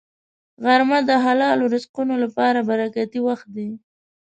غرمه د حلالو رزقونو لپاره برکتي وخت دی